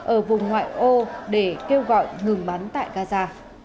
ở vùng ngoại ô để kêu gọi ngừng bắn tại gaza